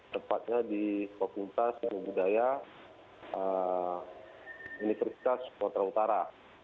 tepatnya di kopuntas budaya universitas kota utara